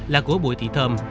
là của bùi thị thơm